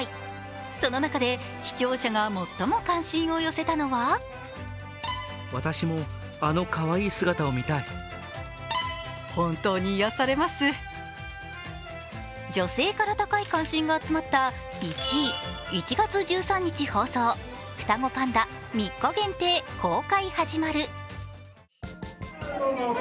その中で視聴者が最も関心を寄せたのは女性から高い関心が集まった１位１月１３日放送、双子パンダ、３日限定、公開始まる。